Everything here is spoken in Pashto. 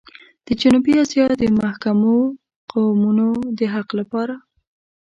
د جنوبي اسيا د محکومو قومونو د حق لپاره.